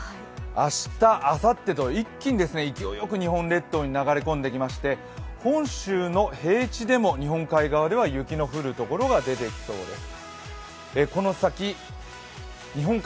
明日、あさってと一気に勢いよく日本列島に流れ込んできまして、本州の平地でも日本海側は雪の降る所が出てきそうです。